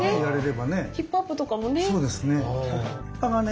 ヒップアップとかもね。